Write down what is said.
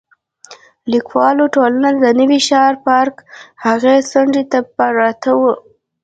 لیکوالو ټولنه د نوي ښار پارک هغې څنډې ته پرته وه.